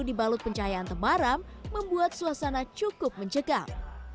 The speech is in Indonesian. di balut pencahayaan temaram membuat suasana cukup mencegah